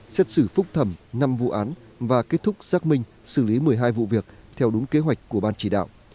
xét xử phúc thẩm năm vụ án và kết thúc xác minh xử lý một mươi hai vụ việc theo đúng kế hoạch của ban chỉ đạo